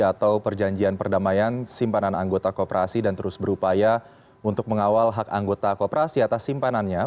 atau perjanjian perdamaian simpanan anggota kooperasi dan terus berupaya untuk mengawal hak anggota kooperasi atas simpanannya